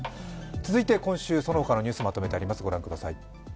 続いて、今週、そのほかのニュースをまとめてあります。